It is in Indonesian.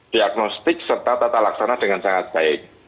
diagnostik serta tata laksana dengan sangat baik